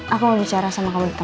aku bicara sama temannya